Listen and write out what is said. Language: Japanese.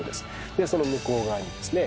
でその向こう側にですね